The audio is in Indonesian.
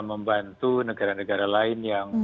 membantu negara negara lain yang